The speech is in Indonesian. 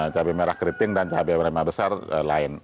cabai merah keriting dan cabai merah besar lain